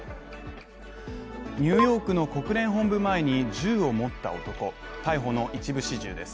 ニューヨークの国連本部前に銃を持った男逮捕の一部始終です。